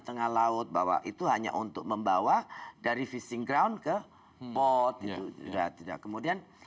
tengah laut bahwa itu hanya untuk membawa dari fishing ground ke pot itu sudah tidak kemudian